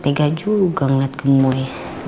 tega juga ngeliat gemoy